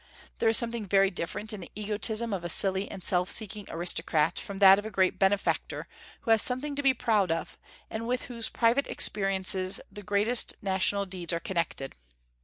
There is something very different in the egotism of a silly and self seeking aristocrat from that of a great benefactor who has something to be proud of, and with whose private experiences the greatest national deeds are connected.